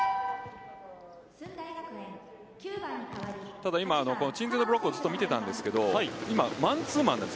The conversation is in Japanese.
ただ、今、鎮西のブロックをずっと見ていたんですが今、マンツーマンなんです。